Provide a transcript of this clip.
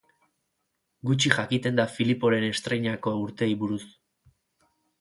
Gutxi jakiten da Filiporen estreinako urteei buruz.